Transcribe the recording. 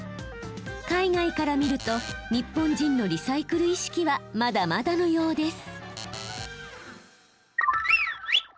海外から見ると日本人のリサイクル意識はまだまだのようです。